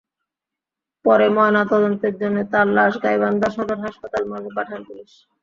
পরে ময়নাতদন্তের জন্য তাঁর লাশ গাইবান্ধা সদর হাসপাতাল মর্গে পাঠায় পুলিশ।